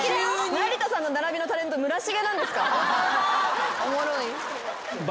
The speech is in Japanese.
成田さんの並びのタレント村重なんですか？